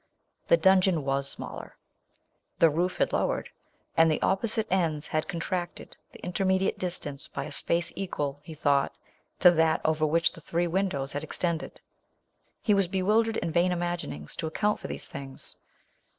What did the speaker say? The dungeon was smaller. The roof had lowered — and the opposite ends had contracted the intermediate dis tance by a space equal, he thought, to that over which the three windows had extended. He was bewildered in vain imaginings to account for these things.